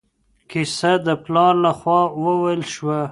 کیسه د پلار له خوا وویل شوه.